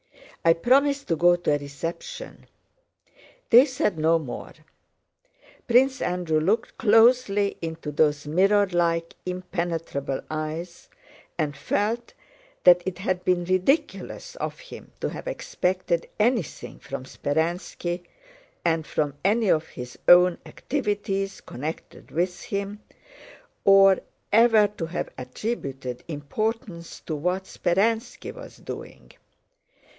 "I promised to go to a reception." They said no more. Prince Andrew looked closely into those mirrorlike, impenetrable eyes, and felt that it had been ridiculous of him to have expected anything from Speránski and from any of his own activities connected with him, or ever to have attributed importance to what Speránski was doing.